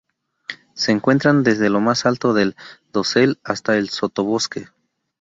Se encuentran desde lo más alto del dosel hasta el sotobosque.